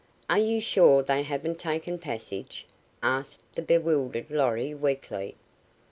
"Are you sure they haven't taken passage?" asked the bewildered Lorry, weakly.